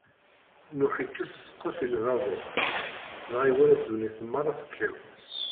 Nuḥ ikkes ssqef i lbabuṛ, dɣa iwala ddunit meṛṛa tekkaw.